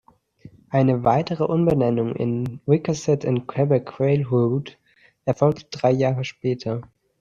Eine weitere Umbenennung in „Wiscasset and Quebec Railroad“ erfolgte drei Jahre später.